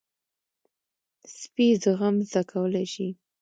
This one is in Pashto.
سپي زغم زده کولی شي.